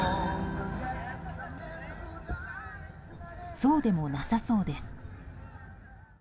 そうでもなさそうです。